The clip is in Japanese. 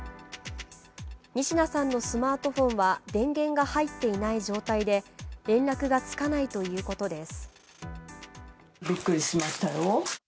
仁科さんのスマートフォンは電源が入っていない状態で連絡がつかないということです。